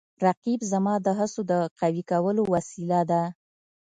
رقیب زما د هڅو د قوي کولو وسیله ده